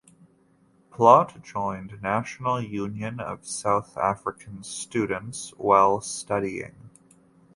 Plaut joined National Union of South African Students while studying.